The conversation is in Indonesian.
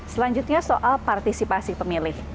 selanjutnya soal partisipasi pemilih